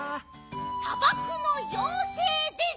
さばくのようせいです。